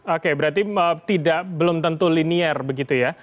oke berarti belum tentu linier begitu ya